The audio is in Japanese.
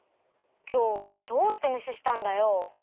きょうどうしてむししたんだよ？